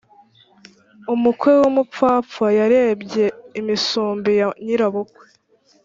Umukwe w’umupfapfa yarebye imisumbi ya nyirabukwe.